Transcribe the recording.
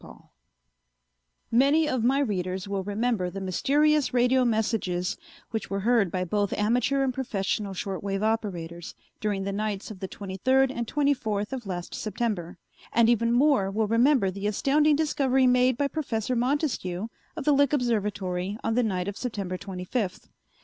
_] Many of my readers will remember the mysterious radio messages which were heard by both amateur and professional short wave operators during the nights of the twenty third and twenty fourth of last September, and even more will remember the astounding discovery made by Professor Montescue of the Lick Observatory on the night of September twenty fifth.